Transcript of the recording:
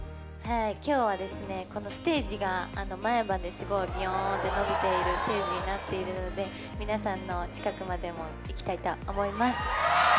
今日はこのステージが前までびよーんって前まで延びているステージになっているので皆さんの近くまでも行きたいと思います。